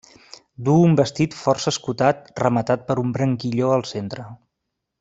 Duu un vestit força escotat rematat per un branquilló al centre.